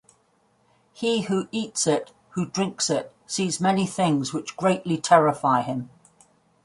He who eats it, who drinks it, sees many things which greatly terrify him.